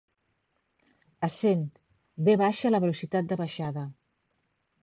Essent v la velocitat de baixada.